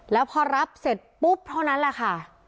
แล้วพอรับเสร็จปุ๊บเท่านั้นแหละค่ะ